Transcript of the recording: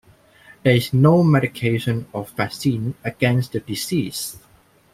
There is no medication or vaccine against the disease.